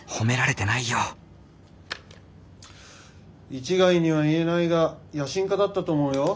一概には言えないが野心家だったと思うよ。